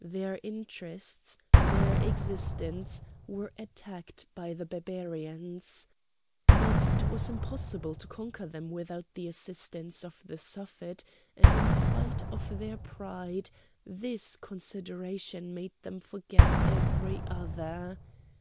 Their interests, their existence, were attacked by the Barbarians. But it was impossible to conquer them without the assistance of the Suffet, and in spite of their pride this consideration made them forget every other.